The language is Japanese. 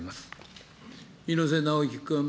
猪瀬直樹君。